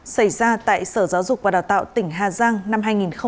xảy ra tại sở giáo dục và đào tạo tỉnh hà giang năm hai nghìn một mươi bảy